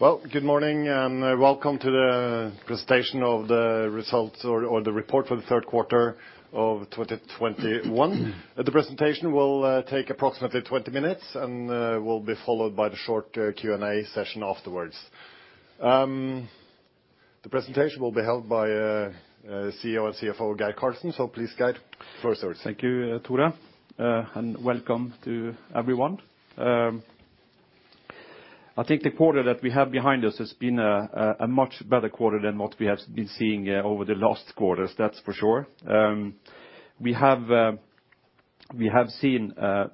Well, good morning, and welcome to the presentation of the results or the report for the third quarter of 2021. The presentation will take approximately 20 minutes and will be followed by the short Q&A session afterwards. The presentation will be held by our CEO and CFO, Geir Karlsen. Please, Geir, floor is yours. Thank you, Tore, and welcome to everyone. I think the quarter that we have behind us has been a much better quarter than what we have been seeing over the last quarters, that's for sure. We have seen a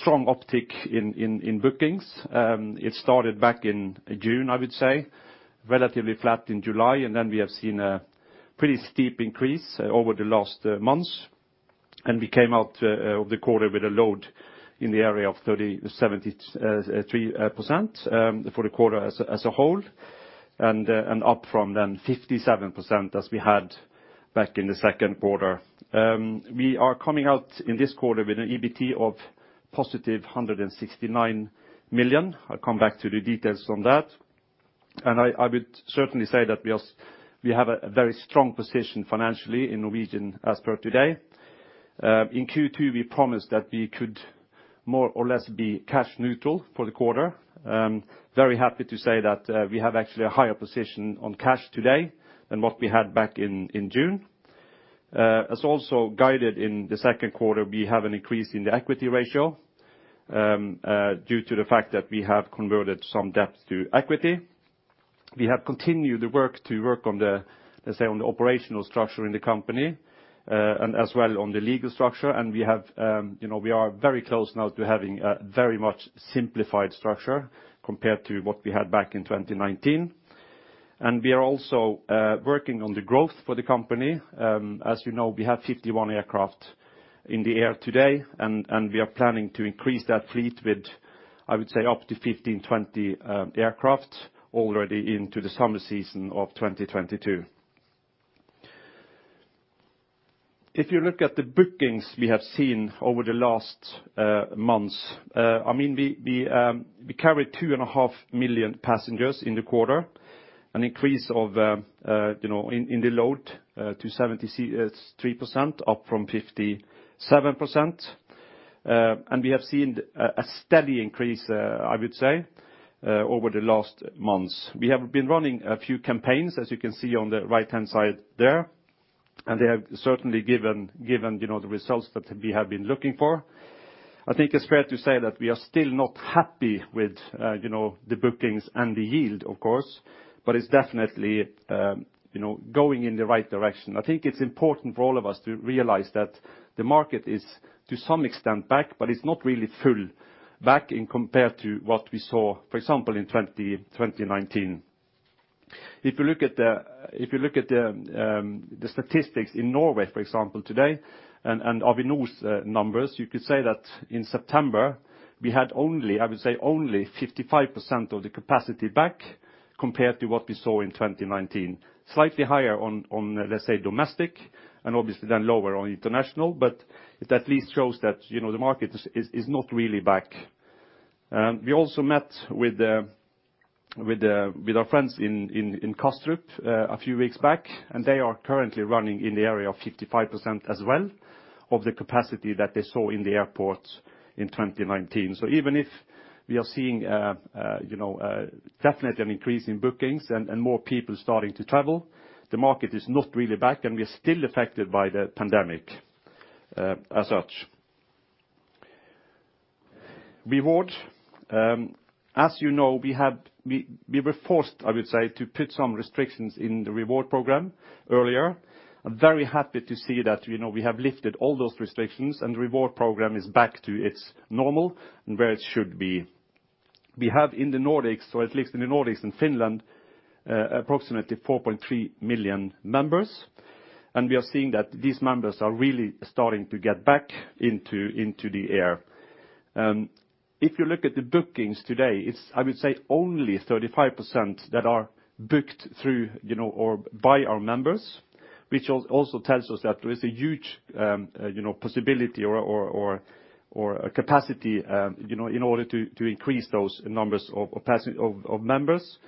strong uptick in bookings. It started back in June, I would say. Relatively flat in July, and then we have seen a pretty steep increase over the last months. We came out of the quarter with a load in the area of 30%-73% for the quarter as a whole, and up from 57% as we had back in the second quarter. We are coming out in this quarter with an EBT of +169 million. I'll come back to the details on that. I would certainly say that we have a very strong position financially in Norwegian as per today. In Q2, we promised that we could more or less be cash neutral for the quarter. Very happy to say that we have actually a higher position on cash today than what we had back in June. As also guided in the second quarter, we have an increase in the equity ratio due to the fact that we have converted some debt to equity. We have continued the work to work on the, let's say, on the operational structure in the company, and as well on the legal structure. We have, you know, we are very close now to having a very much simplified structure compared to what we had back in 2019. We are also working on the growth for the company. As you know, we have 51 aircraft in the air today, and we are planning to increase that fleet with, I would say, up to 15, 20 aircraft already into the summer season of 2022. If you look at the bookings we have seen over the last months, I mean, we carried 2.5 million passengers in the quarter, an increase of, you know, in the load to 73%, up from 57%. We have seen a steady increase, I would say, over the last months. We have been running a few campaigns, as you can see on the right-hand side there, and they have certainly given you know the results that we have been looking for. I think it's fair to say that we are still not happy with you know the bookings and the yield, of course, but it's definitely you know going in the right direction. I think it's important for all of us to realize that the market is, to some extent, back, but it's not really fully back in compared to what we saw, for example, in 2019. If you look at the statistics in Norway, for example, today, and Avinor's numbers, you could say that in September, we had only, I would say only 55% of the capacity back compared to what we saw in 2019. Slightly higher on, let's say, domestic, and obviously then lower on international, but it at least shows that, you know, the market is not really back. We also met with the with our friends in Kastrup a few weeks back, and they are currently running in the area of 55% as well of the capacity that they saw in the airport in 2019. Even if we are seeing, you know, definitely an increase in bookings and more people starting to travel, the market is not really back, and we are still affected by the pandemic, as such. Reward. As you know, we were forced, I would say, to put some restrictions in the Reward program earlier. I'm very happy to see that, you know, we have lifted all those restrictions, and the Reward program is back to its normal and where it should be. We have in the Nordics, or at least in the Nordics and Finland, approximately 4.3 million members, and we are seeing that these members are really starting to get back into the air. If you look at the bookings today, it's, I would say, only 35% that are booked through, you know, or by our members, which also tells us that there is a huge, you know, possibility or a capacity, you know, in order to increase those numbers of capacity of members.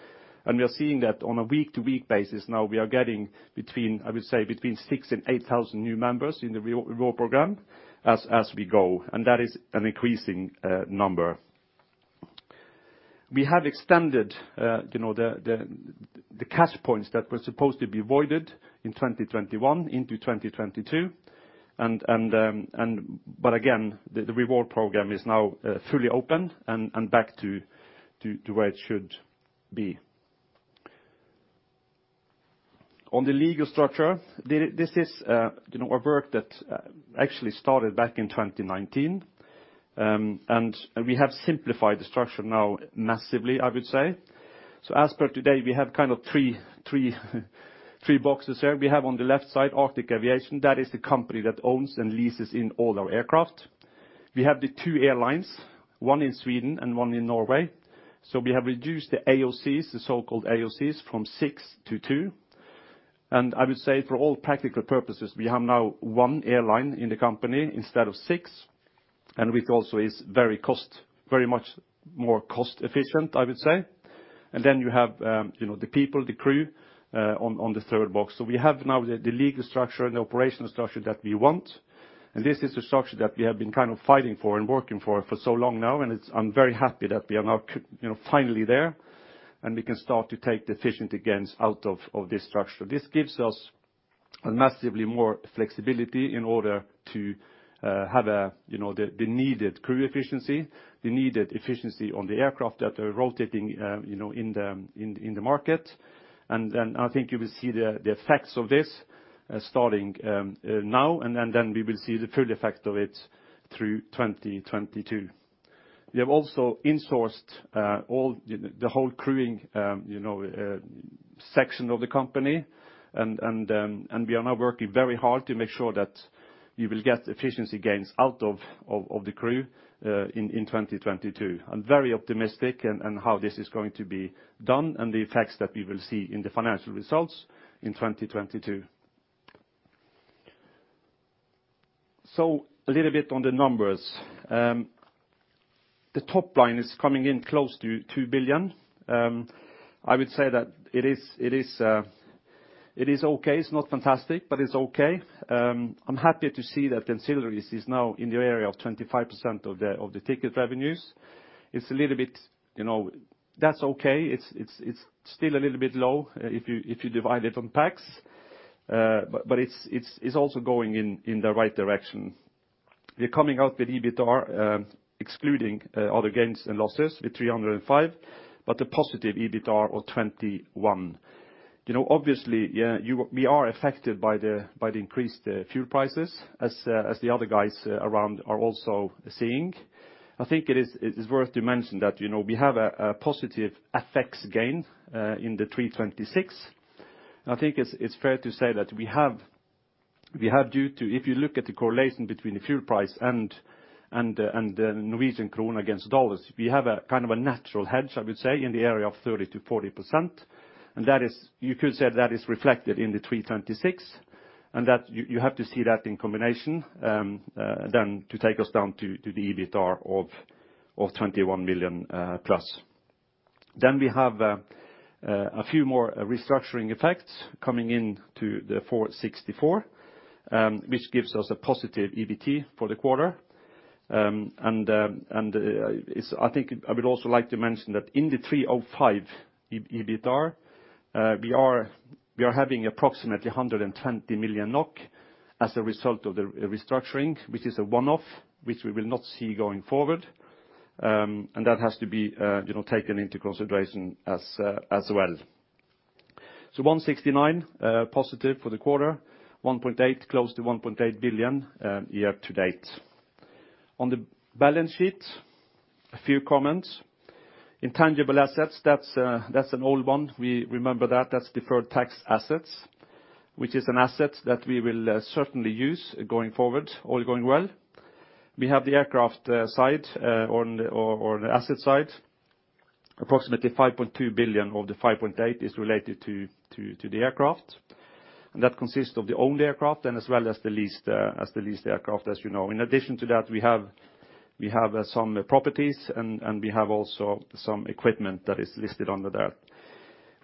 We are seeing that on a week-to-week basis now we are getting between, I would say, 6,000 and 8,000 new members in the Reward program as we go, and that is an increasing number. We have extended, you know, the CashPoints that were supposed to be voided in 2021 into 2022. Again, the Reward program is now fully open and back to where it should be. On the legal structure, this is, you know, a work that actually started back in 2019. We have simplified the structure now massively, I would say. As per today, we have kind of three boxes here. We have on the left side Arctic Aviation Assets. That is the company that owns and leases in all our aircraft. We have the two airlines, one in Sweden and one in Norway. We have reduced the AOCs, the so-called AOCs, from six to two. I would say for all practical purposes, we have now one airline in the company instead of six, and which also is very much more cost efficient, I would say. Then you have, you know, the people, the crew, on the third box. We have now the legal structure and the operational structure that we want. This is the structure that we have been kind of fighting for and working for for so long now, and I'm very happy that we are now you know, finally there, and we can start to take the efficient gains out of this structure. This gives us massively more flexibility in order to have you know, the needed crew efficiency, the needed efficiency on the aircraft that are rotating you know, in the market. Then I think you will see the effects of this starting now, and then we will see the full effect of it through 2022. We have also in-sourced all the whole crewing section of the company and we are now working very hard to make sure that we will get efficiency gains out of the crew in 2022. I'm very optimistic in how this is going to be done and the effects that we will see in the financial results in 2022. A little bit on the numbers. The top line is coming in close to 2 billion. I would say that it is okay. It's not fantastic, but it's okay. I'm happy to see that ancillaries is now in the area of 25% of the ticket revenues. It's a little bit, you know. That's okay. It's still a little bit low, if you divide it by ASKs. It's also going in the right direction. We're coming out with EBITDAR, excluding other gains and losses with 305, but a positive EBITDAR of 21. You know, obviously, we are affected by the increased fuel prices as the other guys around are also seeing. I think it is worth to mention that, you know, we have a positive FX gain in the 326. I think it's fair to say that we have due to, if you look at the correlation between the fuel price and the Norwegian krone against dollars, we have a kind of a natural hedge, I would say, in the area of 30%-40%. That is, you could say, reflected in the 326 million, and that you have to see that in combination than to take us down to the EBITDAR of 21 million plus. We have a few more restructuring effects coming into the 464 million, which gives us a positive EBT for the quarter. I think I would also like to mention that in the 305 EBITDAR we are having approximately 120 million NOK as a result of the restructuring, which is a one-off, which we will not see going forward. That has to be you know taken into consideration as well. 169 positive for the quarter, 1.8 billion, close to 1.8 billion year to date. On the balance sheet, a few comments. Intangible assets, that's an old one. We remember that. That's deferred tax assets, which is an asset that we will certainly use going forward, all going well. We have the aircraft side on the asset side. Approximately 5.2 billion of the 5.8 billion is related to the aircraft, and that consists of the owned aircraft and as well as the leased aircraft, as you know. In addition to that, we have some properties and we have also some equipment that is listed under that.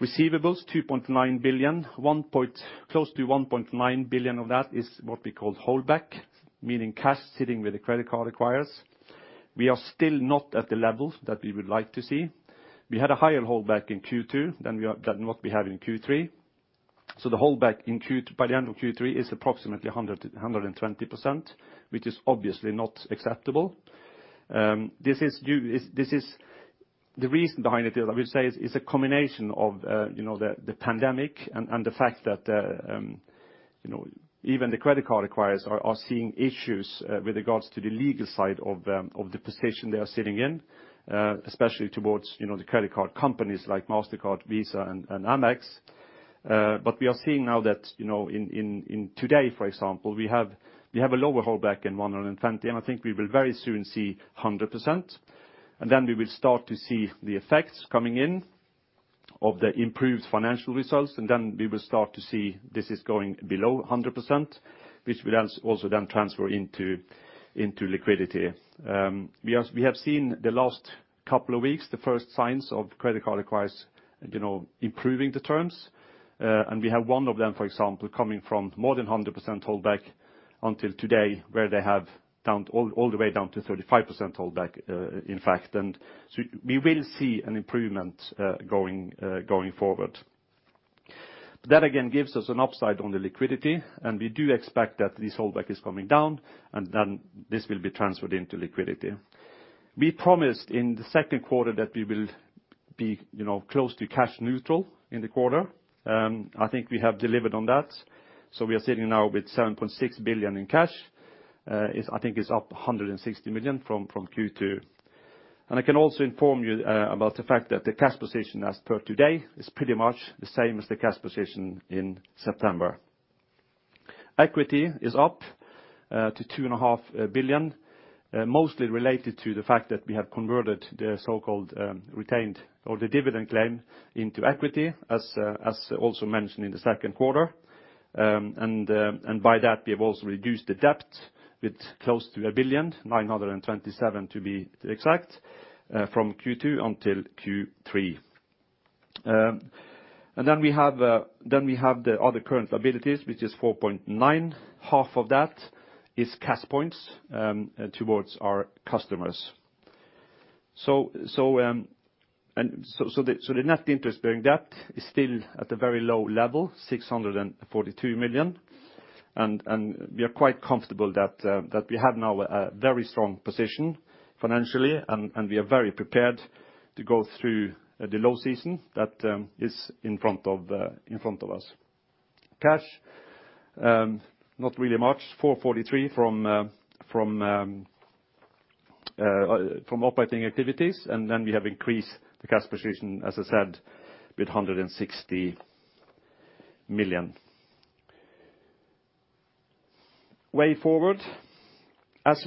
Receivables, 2.9 billion. Close to 1.9 billion of that is what we call holdback, meaning cash sitting with the credit card acquirers. We are still not at the levels that we would like to see. We had a higher holdback in Q2 than what we have in Q3. So the holdback in Q3 by the end of Q3 is approximately 120%, which is obviously not acceptable. This is due, the reason behind it, I would say, is a combination of, you know, the pandemic and the fact that, you know, even the credit card acquirers are seeing issues with regards to the legal side of the position they are sitting in, especially towards, you know, the credit card companies like Mastercard, Visa and Amex. But we are seeing now that, you know, in today, for example, we have a lower holdback in 120%, and I think we will very soon see 100%. Then we will start to see the effects coming in of the improved financial results, and then we will start to see this is going below 100%, which will also then transfer into liquidity. We have seen in the last couple of weeks the first signs of credit card acquirers, you know, improving the terms. We have one of them, for example, coming from more than 100% holdback until today, where they have it down all the way to 35% holdback, in fact. We will see an improvement going forward. That again gives us an upside on the liquidity, and we do expect that this holdback is coming down, and then this will be transferred into liquidity. We promised in the second quarter that we will be, you know, close to cash neutral in the quarter. I think we have delivered on that. We are sitting now with 7.6 billion in cash. I think it's up 160 million from Q2. I can also inform you about the fact that the cash position as per today is pretty much the same as the cash position in September. Equity is up to 2.5 billion, mostly related to the fact that we have converted the so-called retained or the dividend claim into equity as also mentioned in the second quarter. By that we have also reduced the debt with close to 1.927 billion to be exact from Q2 until Q3. We have the other current liabilities which is 4.9 billion. Half of that is CashPoints towards our customers. The net interest-bearing debt is still at a very low level, 642 million. We are quite comfortable that we have now a very strong position financially and we are very prepared to go through the low season that is in front of us. Cash not really much, 443 million from operating activities. Then we have increased the cash position, as I said, with 160 million. Way forward.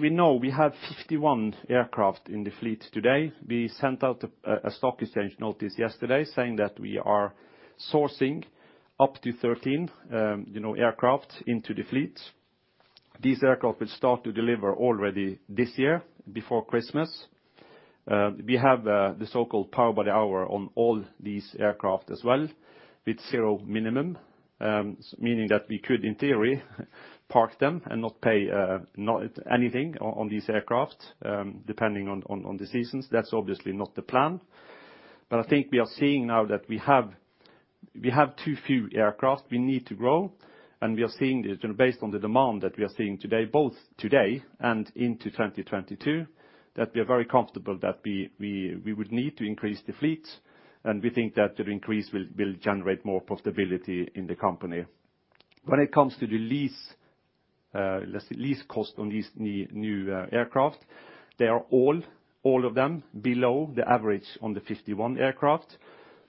We know we have 51 aircraft in the fleet today. We sent out a stock exchange notice yesterday saying that we are sourcing up to 13 aircraft into the fleet. These aircraft will start to deliver already this year before Christmas. We have the so called power by the hour on all these aircraft as well, with zero minimum, meaning that we could in theory park them and not pay anything on these aircraft, depending on the seasons. That's obviously not the plan. I think we are seeing now that we have too few aircraft. We need to grow, and we are seeing this. Based on the demand that we are seeing today, both today and into 2022, that we are very comfortable that we would need to increase the fleet. We think that the increase will generate more profitability in the company. When it comes to the lease, let's see, lease cost on these new aircraft, they are all of them below the average on the 51 aircraft.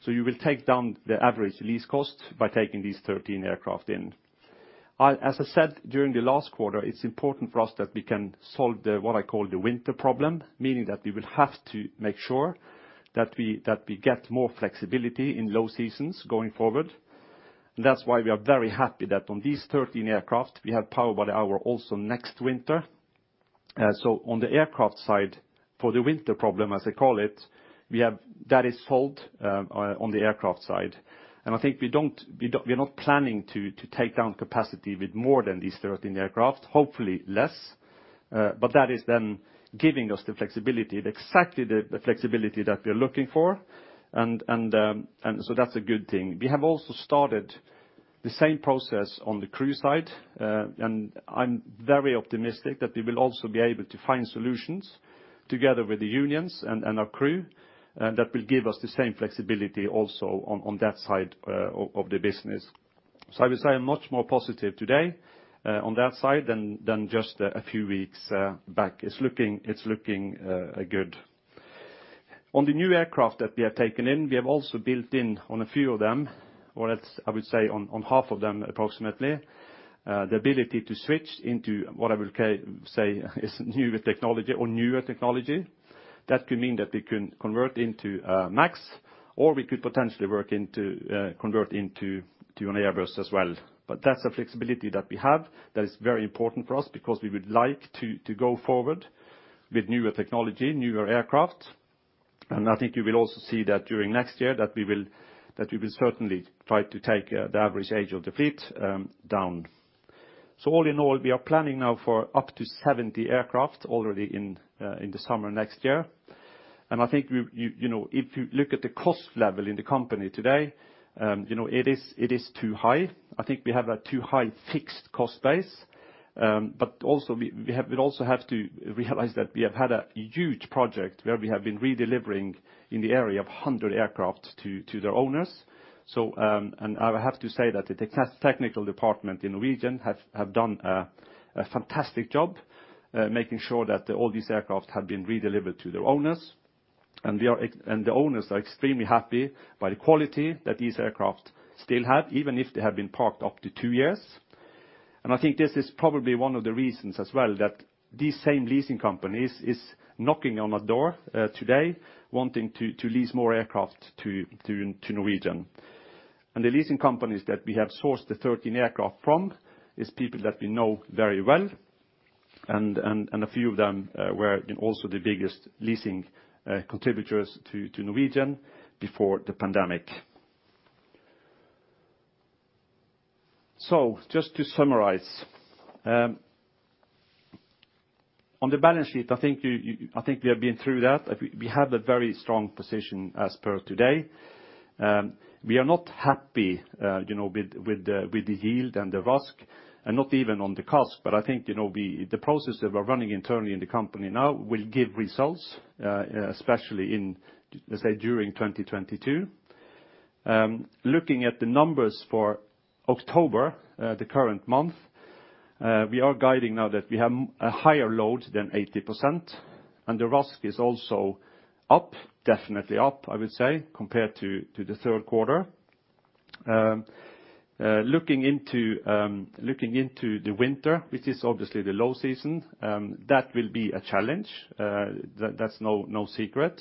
You will take down the average lease cost by taking these 13 aircraft in. As I said during the last quarter, it's important for us that we can solve what I call the winter problem, meaning that we will have to make sure that we get more flexibility in low seasons going forward. That's why we are very happy that on these 13 aircraft, we have power by the hour also next winter. On the aircraft side, for the winter problem, as I call it, that is solved on the aircraft side. I think we're not planning to take down capacity with more than these 13 aircraft, hopefully less. That is then giving us the flexibility, exactly the flexibility that we're looking for. That's a good thing. We have also started the same process on the crew side. I'm very optimistic that we will also be able to find solutions together with the unions and our crew that will give us the same flexibility also on that side of the business. I would say I'm much more positive today on that side than just a few weeks back. It's looking good. On the new aircraft that we have taken in, we have also built in on a few of them, or let's, I would say on half of them approximately the ability to switch into what I will say is new technology or newer technology. That could mean that we can convert into a MAX, or we could potentially convert into an Airbus as well. That's the flexibility that we have that is very important for us because we would like to go forward with newer technology, newer aircraft. I think you will also see that during next year that we will certainly try to take the average age of the fleet down. All in all, we are planning now for up to 70 aircraft already in the summer next year. I think you know, if you look at the cost level in the company today, you know, it is too high. I think we have a too high fixed cost base. We also have to realize that we have had a huge project where we have been redelivering in the area of 100 aircraft to their owners. I have to say that the technical department in Norwegian have done a fantastic job making sure that all these aircraft have been redelivered to their owners. The owners are extremely happy by the quality that these aircraft still have, even if they have been parked up to two years. I think this is probably one of the reasons as well that these same leasing companies is knocking on our door today wanting to lease more aircraft to Norwegian. The leasing companies that we have sourced the 13 aircraft from is people that we know very well and a few of them were also the biggest leasing contributors to Norwegian before the pandemic. Just to summarize, on the balance sheet, I think we have been through that. We have a very strong position as per today. We are not happy, you know, with the yield and the RASK and not even on the CASK, but I think, you know, the process that we're running internally in the company now will give results, especially in, let's say, during 2022. Looking at the numbers for October, the current month, we are guiding now that we have a higher load than 80%, and the RASK is also up, definitely up, I would say, compared to the third quarter. Looking into the winter, which is obviously the low season, that will be a challenge. That's no secret.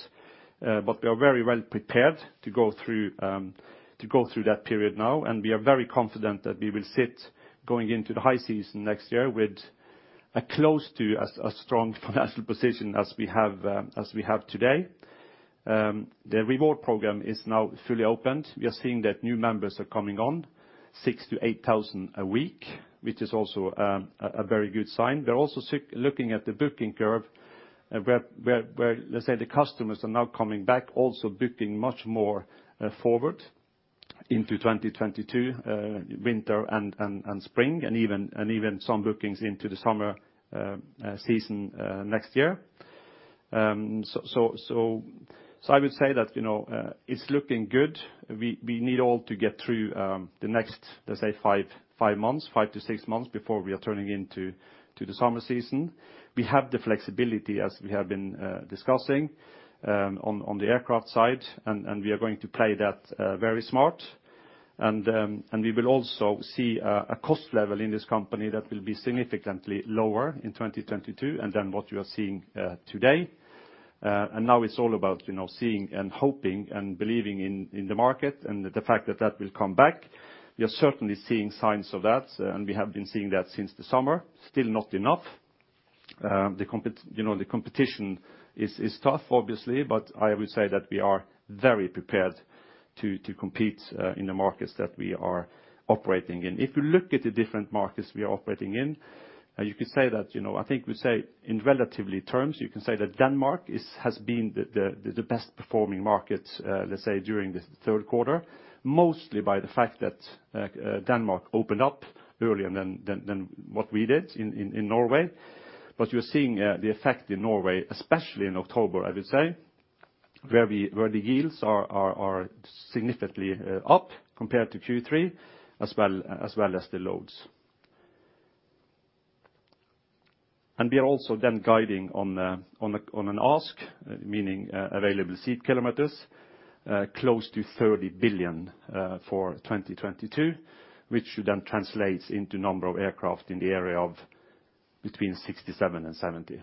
We are very well prepared to go through that period now, and we are very confident that we will be set going into the high season next year with as strong a financial position as we have today. The Reward program is now fully opened. We are seeing that new members are coming on, 6,000-8,000 a week, which is also a very good sign. We're also looking at the booking curve where, let's say, the customers are now coming back also booking much more forward into 2022, winter and spring, and even some bookings into the summer season next year. I would say that, you know, it's looking good. We need all to get through the next, let's say, five months, five to six months before we are turning into the summer season. We have the flexibility, as we have been discussing, on the aircraft side, and we are going to play that very smart. We will also see a cost level in this company that will be significantly lower in 2022 than what you are seeing today. Now it's all about, you know, seeing and hoping and believing in the market and the fact that will come back. We are certainly seeing signs of that, and we have been seeing that since the summer. Still not enough. The competition is tough, obviously, but I would say that we are very prepared to compete in the markets that we are operating in. If you look at the different markets we are operating in, you could say that, you know, I think we say in relative terms, you can say that Denmark has been the best-performing market, let's say, during the third quarter, mostly by the fact that Denmark opened up earlier than what we did in Norway. You're seeing the effect in Norway, especially in October, I would say, where the yields are significantly up compared to Q3 as well as the loads. We are also then guiding on an ASK, meaning Available Seat Kilometers, close to 30 billion for 2022, which then translates into number of aircraft in the area of between 67 and 70.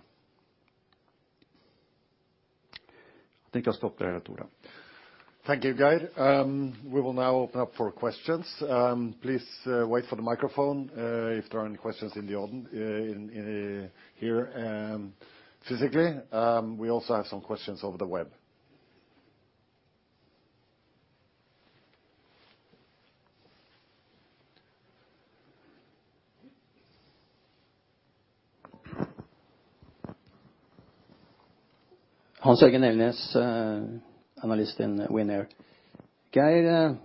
I think I'll stop there, Tore. Thank you, Geir. We will now open up for questions. Please wait for the microphone if there are any questions in here physically. We also have some questions over the web. Hans Jørgen Elnæs, analyst in WINAIR. Geir,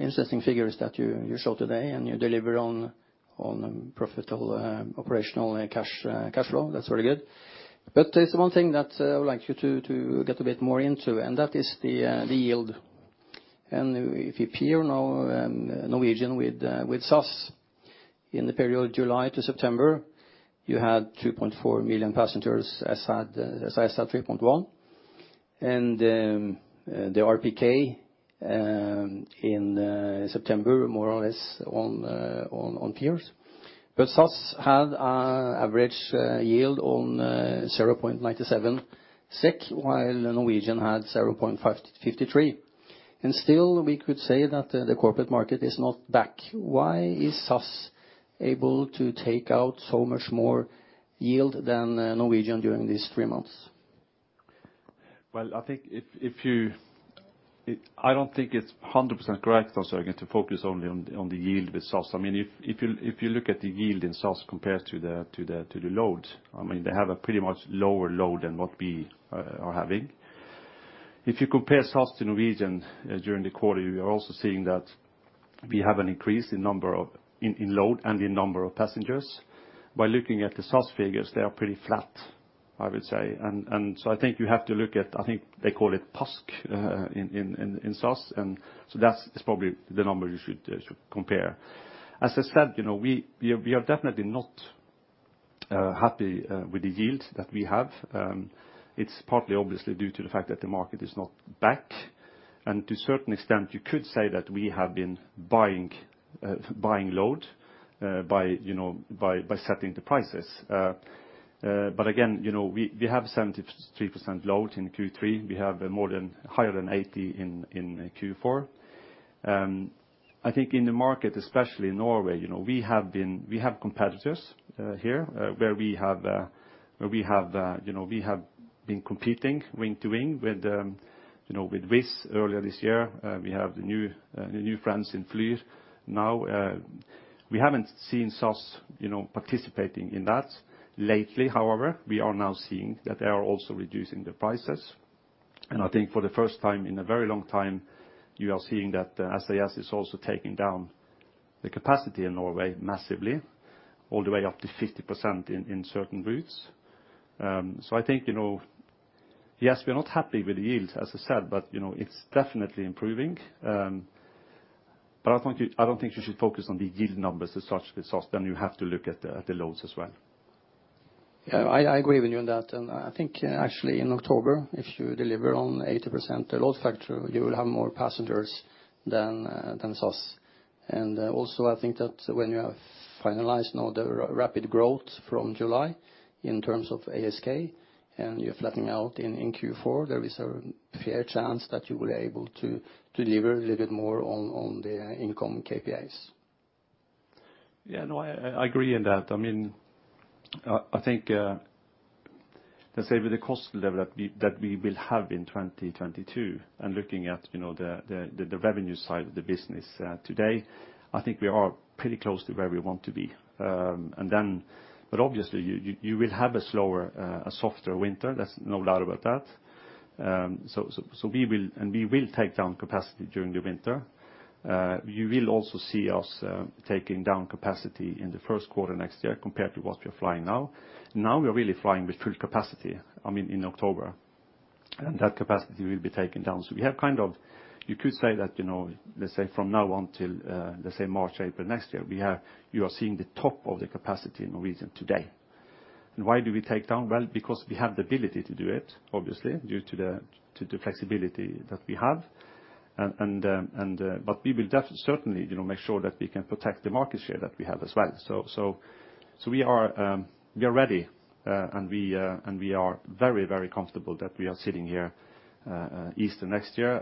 interesting figures that you showed today, and you deliver on profitable operational and cash flow. That's very good. There's one thing that I would like you to get a bit more into, and that is the yield. If you compare now Norwegian with SAS in the period July to September, you had 2.4 million passengers, SAS had 3.1. The RPK in September, more or less on par. SAS had an average yield on 0.97 SEK, while Norwegian had 0.553. Still we could say that the corporate market is not back. Why is SAS able to take out so much more yield than Norwegian during these three months? Well, I don't think it's 100% correct, Hans Jørgen, to focus only on the yield with SAS. I mean, if you look at the yield in SAS compared to the load, I mean, they have a pretty much lower load than what we are having. If you compare SAS to Norwegian during the quarter, you are also seeing that we have an increase in load and in number of passengers. By looking at the SAS figures, they are pretty flat, I would say. So I think you have to look at, I think they call it PASK in SAS, and so that's it's probably the number you should compare. As I said, you know, we are definitely not happy with the yields that we have. It's partly obviously due to the fact that the market is not back. To a certain extent, you could say that we have been buying load by you know by setting the prices. Again, you know, we have 73% load in Q3. We have more than higher than 80% in Q4. I think in the market, especially in Norway, you know, we have competitors here where we have been competing wing to wing with you know with Wizz earlier this year. We have the new friends in Flyr now. We haven't seen SAS, you know, participating in that lately. However, we are now seeing that they are also reducing the prices. I think for the first time in a very long time, you are seeing that SAS is also taking down the capacity in Norway massively, all the way up to 50% in certain routes. I think, yes, we are not happy with the yields, as I said, but, you know, it's definitely improving. But I think, I don't think you should focus on the yield numbers as such with SAS, then you have to look at the loads as well. Yeah, I agree with you on that. I think actually in October, if you deliver on 80% the load factor, you will have more passengers than SAS. Also I think that when you have finalized now the rapid growth from July in terms of ASK, and you're flattening out in Q4, there is a fair chance that you will able to deliver a little bit more on the income KPIs. Yeah, no, I agree in that. I mean, I think, let's say with the cost level that we will have in 2022 and looking at, you know, the revenue side of the business, today, I think we are pretty close to where we want to be. Obviously you will have a slower, a softer winter, there's no doubt about that. We will take down capacity during the winter. You will also see us taking down capacity in the first quarter next year compared to what we're flying now. Now we are really flying with full capacity, I mean, in October, and that capacity will be taken down. We have kind of, you could say that, you know, let's say from now until let's say March, April next year, you are seeing the top of the capacity in Norwegian today. Why do we take down? Well, because we have the ability to do it, obviously, due to the flexibility that we have. We will certainly, you know, make sure that we can protect the market share that we have as well. We are ready. We are very comfortable that we are sitting here Easter next year.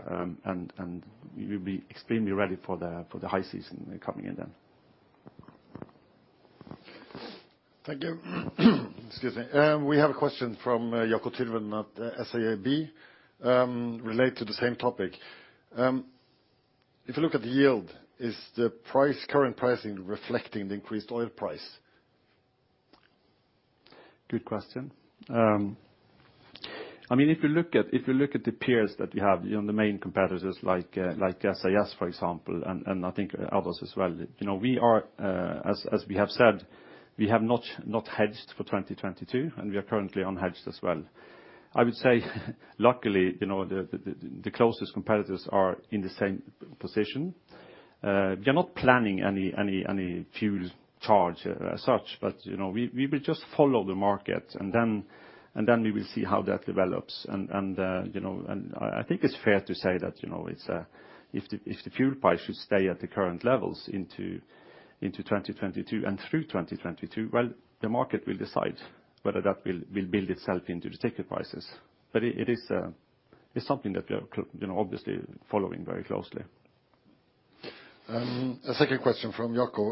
We will be extremely ready for the high season coming in then. Thank you. Excuse me. We have a question from Jacob Lindgren at SEB, related to the same topic. If you look at the yield, is the current pricing reflecting the increased oil price? Good question. I mean, if you look at the peers that we have, you know, the main competitors like SAS, for example, and I think others as well, you know, we are, as we have said, we have not hedged for 2022, and we are currently unhedged as well. I would say luckily, you know, the closest competitors are in the same position. We are not planning any fuel charge as such, but, you know, we will just follow the market, and then we will see how that develops. I think it's fair to say that, you know, it's if the fuel price should stay at the current levels into 2022 and through 2022. Well, the market will decide whether that will build itself into the ticket prices. It is, it's something that we are you know, obviously following very closely. A second question from Jacob.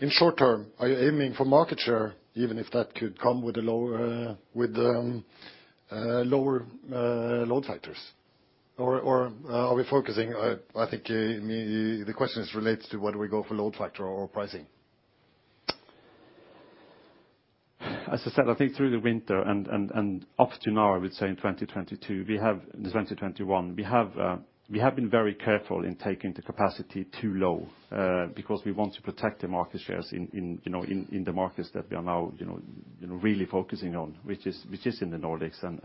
In short term, are you aiming for market share even if that could come with a lower load factors? Are we focusing? I think the question is related to whether we go for load factor or pricing. As I said, I think through the winter and up to now, I would say in 2021, we have been very careful in taking the capacity too low, because we want to protect the market shares in you know the markets that we are now you know really focusing on, which is in the Nordics and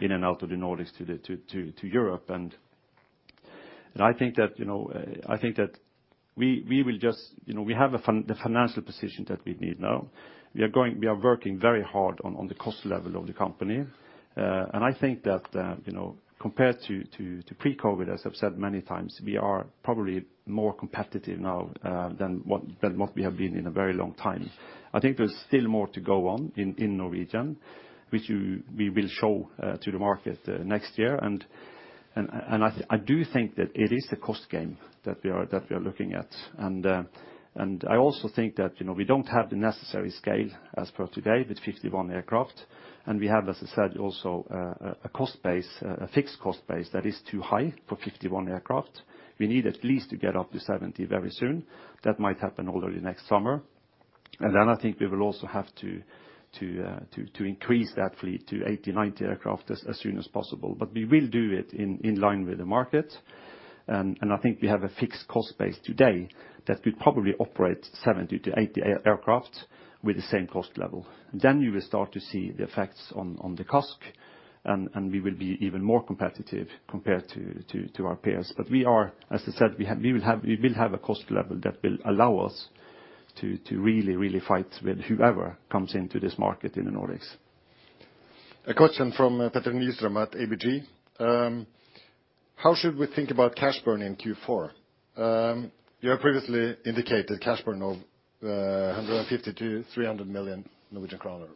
in and out of the Nordics to Europe. I think that you know we will just you know we have the financial position that we need now. We are going, we are working very hard on the cost level of the company. I think that, you know, compared to pre-COVID, as I've said many times, we are probably more competitive now than what we have been in a very long time. I think there's still more to go on in Norwegian, which we will show to the market next year. I do think that it is the cost game that we are looking at. I also think that, you know, we don't have the necessary scale as per today with 51 aircraft, and we have, as I said, also a cost base, a fixed cost base that is too high for 51 aircraft. We need at least to get up to 70 very soon. That might happen already next summer. Then I think we will also have to increase that fleet to 80-90 aircraft as soon as possible. We will do it in line with the market. I think we have a fixed cost base today that could probably operate 70-80 aircraft with the same cost level. Then you will start to see the effects on the CASK, and we will be even more competitive compared to our peers. We are, as I said, we will have a cost level that will allow us to really fight with whoever comes into this market in the Nordics. A question from Petter Nyström at ABG. How should we think about cash burn in Q4? You have previously indicated cash burn of 150 million-300 million Norwegian kroner.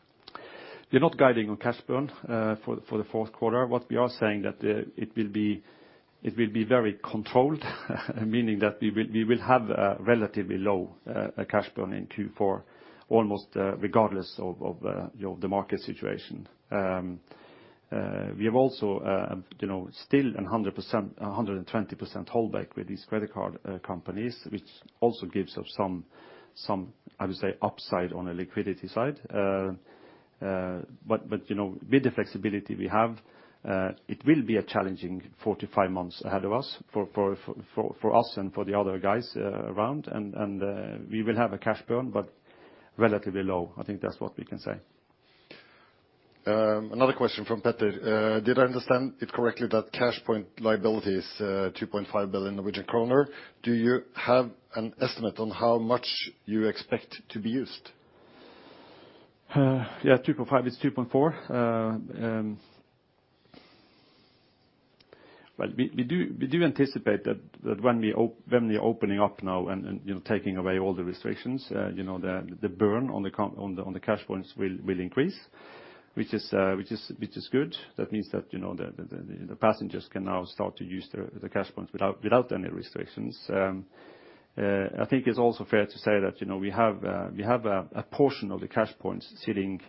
We're not guiding on cash burn for the fourth quarter. What we are saying is that it will be very controlled, meaning that we will have a relatively low cash burn in Q4 almost regardless of you know the market situation. We have also you know still 100%, 120% holdback with these credit card companies, which also gives us some I would say upside on the liquidity side. But you know with the flexibility we have, it will be a challenging four to five months ahead of us for us and for the other guys around. We will have a cash burn but relatively low. I think that's what we can say. Another question from Petter. Did I understand it correctly that CashPoints liability is 2.5 billion Norwegian kroner? Do you have an estimate on how much you expect to be used? Yeah, 2.5 is 2.4. Well, we do anticipate that when we're opening up now and you know, taking away all the restrictions, you know, the burn on the CashPoints will increase, which is good. That means that you know, the passengers can now start to use the CashPoints without any restrictions. I think it's also fair to say that you know, we have a portion of the CashPoints sitting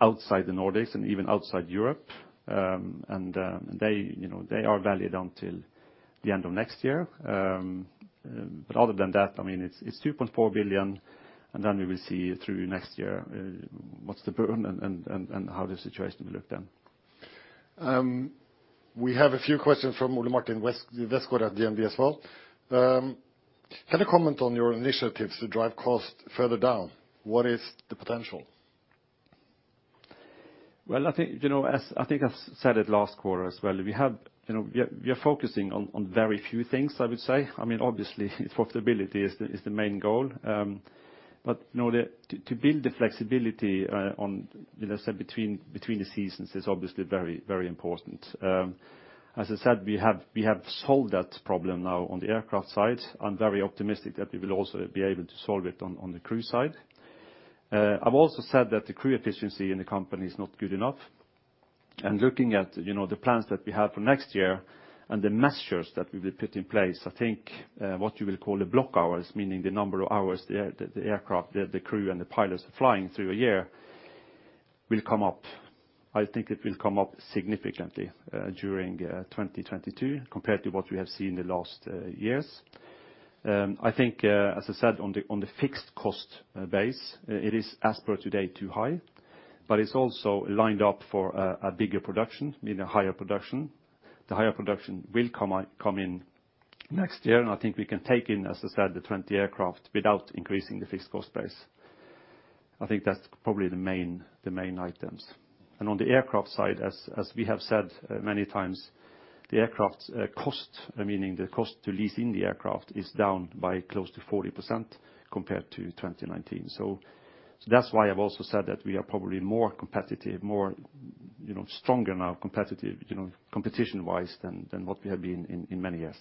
outside the Nordics and even outside Europe. They are valued until the end of next year. Other than that, I mean, it's 2.4 billion, and then we will see through next year what's the burn and how the situation will look then. We have a few questions from Ole Martin Westgaard at DNB as well. He had a comment on your initiatives to drive costs further down. What is the potential? Well, I think, you know, as I think I've said it last quarter as well, we are focusing on very few things, I would say. I mean, obviously profitability is the main goal. You know, to build the flexibility on, you know, say between the seasons is obviously very important. As I said, we have solved that problem now on the aircraft side. I'm very optimistic that we will also be able to solve it on the crew side. I've also said that the crew efficiency in the company is not good enough. Looking at, you know, the plans that we have for next year and the measures that we will put in place, I think what you will call the block hours, meaning the number of hours the aircraft, the crew, and the pilots flying through a year, will come up. I think it will come up significantly during 2022 compared to what we have seen in the last years. I think, as I said, on the fixed cost base, it is as per today too high, but it's also lined up for a bigger production, meaning a higher production. The higher production will come in next year, and I think we can take in, as I said, the 20 aircraft without increasing the fixed cost base. I think that's probably the main items. On the aircraft side, as we have said many times, the aircraft's cost, meaning the cost of leasing the aircraft, is down by close to 40% compared to 2019. That's why I've also said that we are probably more competitive, more you know stronger now, competitive you know competition-wise than what we have been in many years.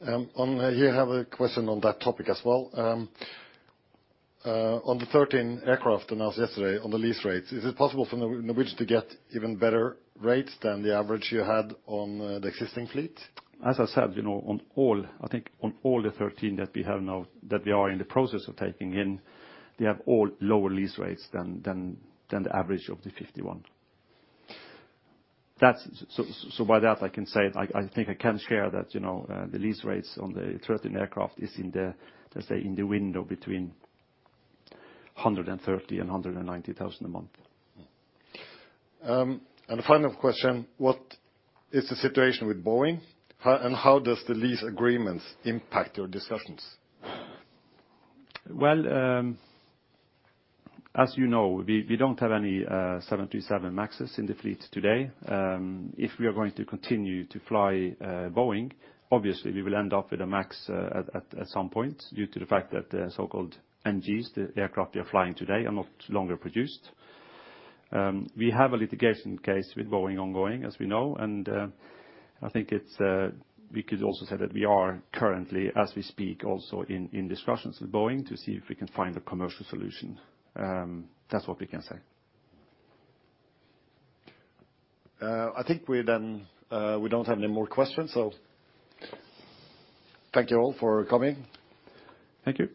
Here I have a question on that topic as well. On the 13 aircraft announced yesterday on the lease rates, is it possible for Norwegian to get even better rates than the average you had on the existing fleet? As I said, you know, on all, I think on all the 13 that we have now that we are in the process of taking in, they have all lower lease rates than the average of the 51. That's. So by that I can say, I think I can share that, you know, the lease rates on the 13 aircraft is in the, let's say, window between 130,000 and 190 ,000 a month. Final question: What is the situation with Boeing? How does the lease agreements impact your discussions? Well, as you know, we don't have any 737 MAXs in the fleet today. If we are going to continue to fly Boeing, obviously we will end up with a MAX at some point due to the fact that the so-called NGs, the aircraft we are flying today, are no longer produced. We have a litigation case with Boeing ongoing, as we know, and I think we could also say that we are currently, as we speak, also in discussions with Boeing to see if we can find a commercial solution. That's what we can say. I think we don't have any more questions, so thank you all for coming. Thank you.